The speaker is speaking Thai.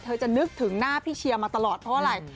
จะนึกถึงหน้าพี่เชียร์มาตลอดเพราะอะไร